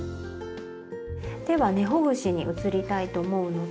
では根ほぐしに移りたいと思うので。